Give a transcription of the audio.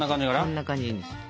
そんな感じでいいんですよ。